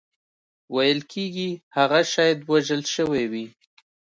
ویل کېږي هغه شاید وژل شوی وي.